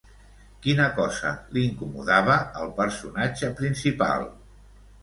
Quina cosa l'incomodava al personatge principal?